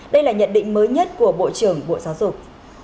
đây là nhận định mới nhất của bộ trưởng bộ giáo dục